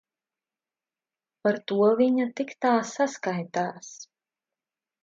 Par to viņa tik tā saskaitās.